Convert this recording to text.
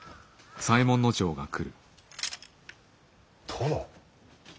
殿。